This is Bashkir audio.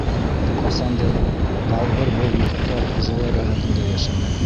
Ҡасандыр Ялбыр был йортта хужалар рәтендә йәшәне.